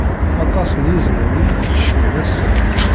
Aṭas n yiznan i yi-d-ikecmen ass-a.